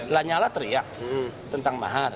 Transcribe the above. lanyalah teriak tentang mahar